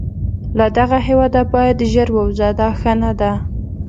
له دغه هیواده باید ژر ووزو، دا ښه نه ده.